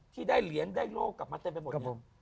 ที่ได้เหรียญได้โลกกลับมาเต้นไปหมด